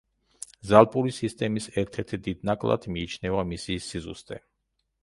ზალპური სისტემის ერთ-ერთ დიდ ნაკლად მიიჩნევა მისი სიზუსტე.